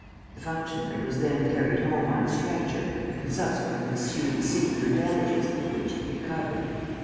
The functionary was then carried home on a stretcher, and subsequently sued the city for damages, which he recovered.